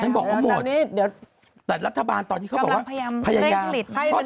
ฉันบอกว่าหมดเดี๋ยวแต่รัฐบาลตอนนี้เขาบอกว่าพยายามกำลังพยายามเร่งหลิต